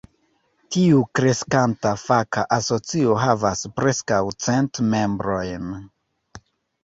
Tiu kreskanta faka asocio havas preskaŭ cent membrojn.